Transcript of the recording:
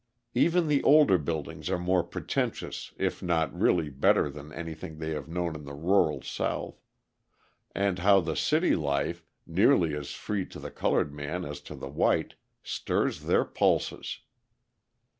Even the older buildings are more pretentious if not really better than anything they have known in the rural South; and how the city life, nearly as free to the coloured man as to the white, stirs their pulses!